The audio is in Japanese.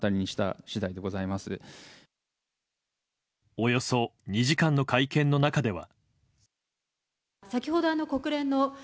およそ２時間の会見の中では。